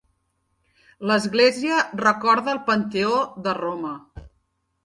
L'església recorda el Panteó de Roma.